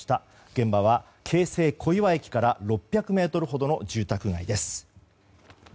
現場は京成小岩駅から６００ｍほどの住宅街です。